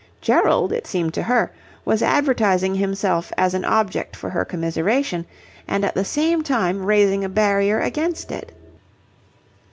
Gerald, it seemed to her, was advertising himself as an object for her commiseration, and at the same time raising a barrier against it.